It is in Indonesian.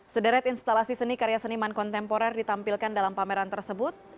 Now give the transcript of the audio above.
sederet instalasi seni karya seniman kontemporer ditampilkan dalam pameran tersebut